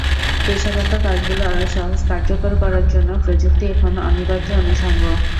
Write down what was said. পেশাগত কাজগুলো আরও সহজ, কার্যকর করার জন্য প্রযুক্তি এখন অনিবার্য অনুষঙ্গ।